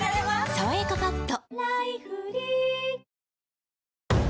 「さわやかパッド」